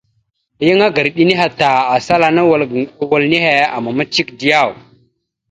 Yan agra eɗe nehe ta asal ana wal nehe amamat cek diyaw ?